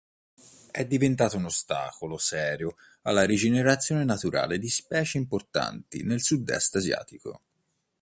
È diventata un ostacolo serio alla rigenerazione naturale di specie importanti nel sudest asiatico.